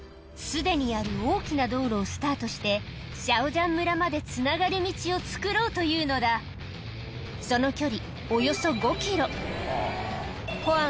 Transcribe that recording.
彼すでにある大きな道路をスタートしてシャオジャン村までつながる道を造ろうというのだその距離